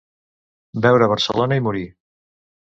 Veure Barcelona i morir.